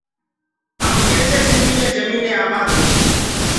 اب ڪيسي سنڌي مين جميني آبآد هوسيٚ